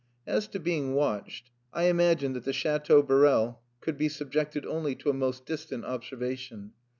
As to being watched, I imagine that the Chateau Borel could be subjected only to a most distant observation.